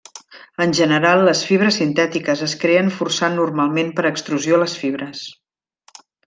En general les fibres sintètiques es creen forçant, normalment per extrusió les fibres.